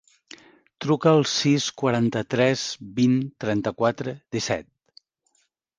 Truca al sis, quaranta-tres, vint, trenta-quatre, disset.